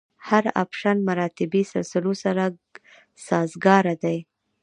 هر اپشن مراتبي سلسلو سره سازګاره دی.